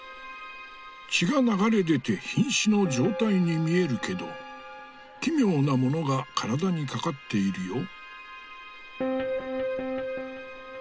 血が流れ出て瀕死の状態に見えるけど奇妙なものが体にかかっているよ。